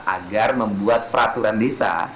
agar membuat peraturan desa